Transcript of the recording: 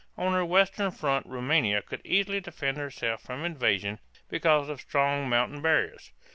On her western front Roumania could easily defend herself from invasion because of strong mountain barriers.